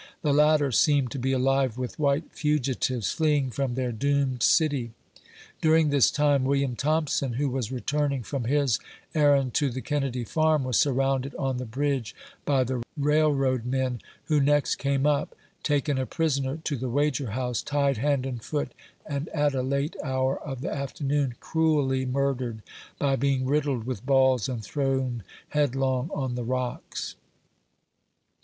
The latter seemed to be alive with white fugitives, fleeing from their doomed city. During this time, Wm. Thompson, who was returning from his errand to the Kennedy Farm, was surrounded on the bridge by the railroad men, who next came up, taken a pris oner to the Wager House, tied hand and foot, and, at a la to COWARDICE OF THE VIRGINIANS. 41 hour of the afternoon, cruelly murdered by being riddled with balls, and thrown headlong on the rocks.